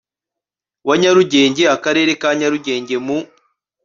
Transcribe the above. wa Nyarugenge Akarere ka Nyarugenge mu